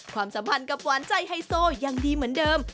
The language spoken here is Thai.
ความสัมพันธ์กับหวานใจไฮโซยังดีเหมือนเดิม